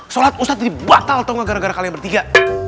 sholat ustad dibatal tau gak gara gara kalian bertiga